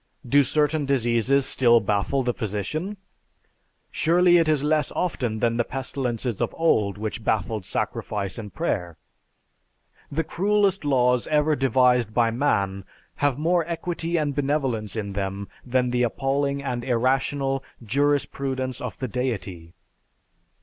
Do certain diseases still baffle the physician? Surely it is less often than the pestilences of old which baffled sacrifice and prayer. The cruelest laws ever devised by man have more equity and benevolence in them than the appalling and irrational jurisprudence of the Deity.